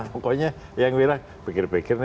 pokoknya yang merah pikir pikir